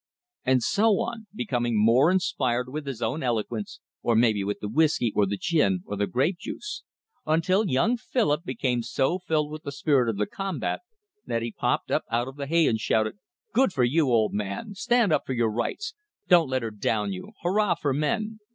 And so on becoming more inspired with his own eloquence or maybe with the whiskey, or the gin, or the grape juice; until young Philip became so filled with the spirit of the combat that he popped up out of the hay and shouted, "Good for you, old man! Stand up for your rights! Don't let her down you! Hurrah for men!"